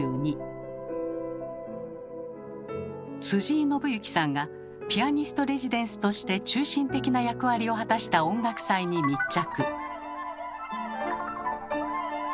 井伸行さんがピアニスト・レジデンスとして中心的な役割を果たした音楽祭に密着。